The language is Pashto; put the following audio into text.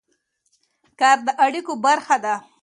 کار د اړیکو برخه ده.